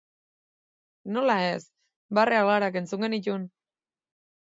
Nola ez, barre algarak entzun genituen.